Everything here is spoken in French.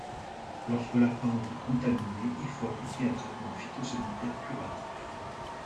Lorsque la plante est contaminée, il faut appliquer un traitement phytosanitaire curatif.